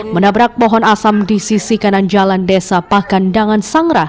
menabrak pohon asam di sisi kanan jalan desa pakandangan sangra